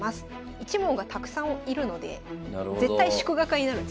一門がたくさんいるので絶対祝賀会になるんですよ。